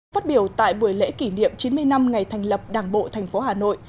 phát biểu tại buổi lễ kỷ niệm chín mươi năm ngày thành lập đảng bộ thành phố hà nội